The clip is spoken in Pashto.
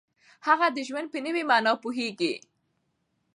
هغه د ژوند په نوې معنا پوهیږي.